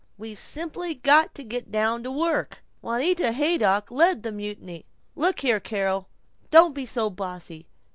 We've simply got to get down to work." Juanita Haydock led the mutiny: "Look here, Carol, don't be so bossy.